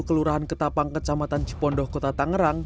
kelurahan ketapang kecamatan cipondoh kota tangerang